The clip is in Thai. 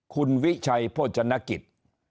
คุณวิชัยโภชนกิจ